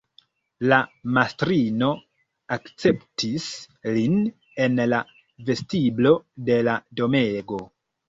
La mastrino akceptis lin en la vestiblo de la domego.